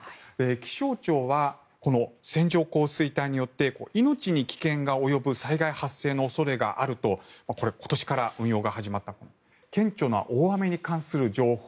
気象庁はこの線状降水帯によって命に危険が及ぶ災害発生の恐れがあるとこれ、今年から運用が始まった顕著な大雨に関する情報。